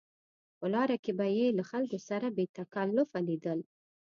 په لاره کې به یې له خلکو سره بې تکلفه لیدل.